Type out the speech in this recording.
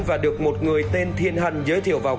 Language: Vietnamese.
và được một người tên thiên hành giới thiệu vào